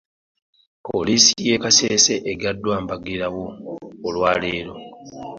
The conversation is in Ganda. Poliisi y'e Kasese eggaddwa mbagirawo olwa leero.